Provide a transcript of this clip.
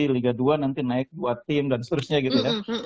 liga dua nanti naik dua tim dan seterusnya gitu ya